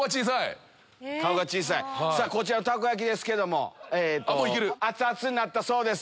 こちらのたこ焼きですけども熱々になったそうです。